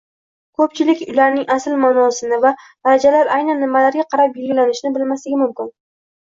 ko’pchilik ularning asl ma’nosini va darajalar aynan nimalarga qarab belgilanishini bilmasligi mumkin